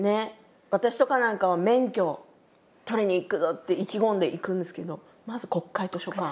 私とかなんかは免許取りにいくぞ！って意気込んで行くんですけどまず国会図書館。